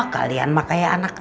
kalian mah kayak anak asli